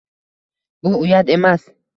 Bu uyat emas